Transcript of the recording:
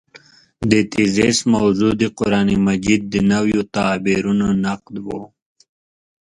د تېزس موضوع د قران مجید د نویو تعبیرونو نقد و.